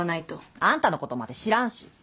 あんたのことまで知らんし。